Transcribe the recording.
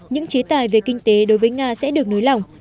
những chế tài về kinh tế đối với nga sẽ được nối lỏng